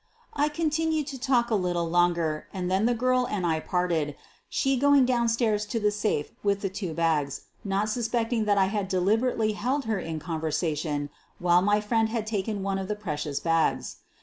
I con tinued to talk a little longer and then the girl and I parted, she going downstairs to the safe with the two bags, not suspecting that I had deliberately held her in conversation while my friend had taken one of the precious bags.